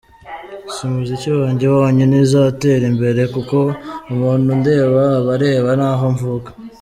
Si umuziki wanjye wonyine uzatera imbere kuko umuntu undeba aba areba n’aho mvuka.